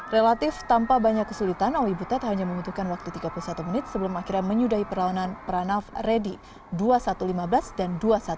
relatif tanpa banyak kesulitan owi butet hanya membutuhkan waktu tiga puluh satu menit sebelum akhirnya menyudahi perlawanan pranav redi dua puluh satu lima belas dan dua puluh satu dua belas